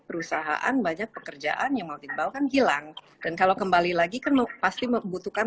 perusahaan banyak pekerjaan yang mau tiba kan hilang dan kalau kembali lagi kan pasti membutuhkan